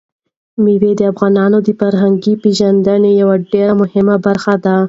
مېوې د افغانانو د فرهنګي پیژندنې یوه ډېره مهمه برخه ده.